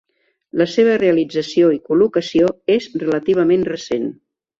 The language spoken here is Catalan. La seva realització i col·locació és relativament recent.